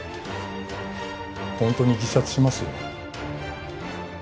ホントに自殺しますよ。